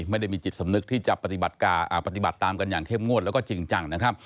ไม่ได้มีจิตสำนึกที่จะปฏิบัติตามกันอย่างเข้มงวดแล้วก็จริงจังนะครับ